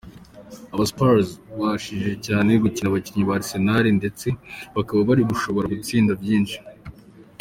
Aba Spurs barushije cane gukina abakinyi ba Arsenal, ndetse bakaba bari gushobora gutsinda vyinshi.